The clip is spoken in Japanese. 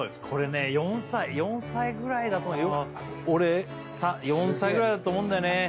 これね４歳４歳ぐらいだと思う俺３４歳ぐらいだと思うんだよね